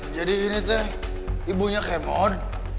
jadi ini teh ibunya kemod